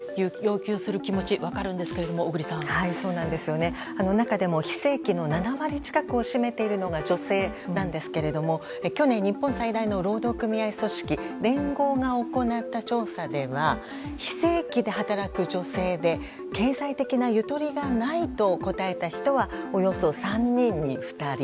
この開きを見ますと１０％賃上げしてと要求する中でも非正規の７割近くを占めているのが女性なんですけれども去年、日本最大の労働組合組織連合が行った調査では非正規で働く女性で経済的なゆとりがないと答えた人はおよそ３人に２人。